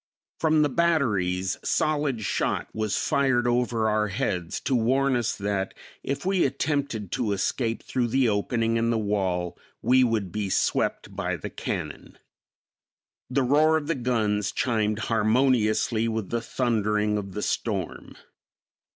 From the batteries solid shot was fired over our heads to warn us that if we attempted to escape through the opening in the wall we would be swept by the cannon. The roar of the guns chimed harmoniously with the thundering of the storm.